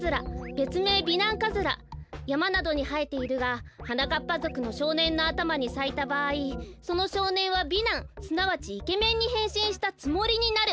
べつめい美男カズラやまなどにはえているがはなかっぱぞくのしょうねんのあたまにさいたばあいそのしょうねんは美男すなわちイケメンにへんしんしたつもりになる。